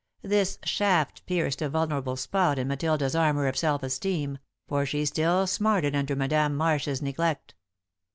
This shaft pierced a vulnerable spot in Matilda's armour of self esteem, for she still smarted under Madame Marsh's neglect.